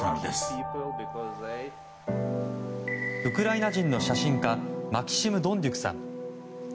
ウクライナ人の写真家マキシム・ドンデュクさん。